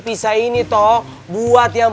pisa ini toh buat yang